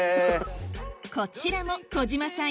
こちらも小島さん